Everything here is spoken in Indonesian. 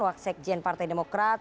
waksek jen partai demokrat